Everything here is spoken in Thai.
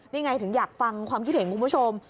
นี่ไงถึงอยากฟังความคิดเห็นคุณผู้ชม